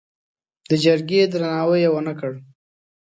د جرګې درناوی یې ونه کړ.